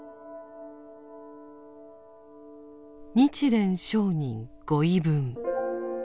「日蓮聖人御遺文」。